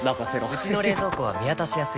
うちの冷蔵庫は見渡しやすい